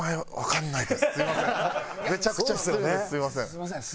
すみません。